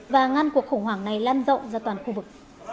và ngăn cuộc khủng hoảng này lan rộng ra toàn khu vực